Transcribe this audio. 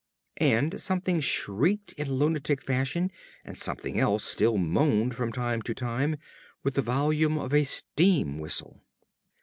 And something shrieked in lunatic fashion and something else still moaned from time to time with the volume of a steam whistle....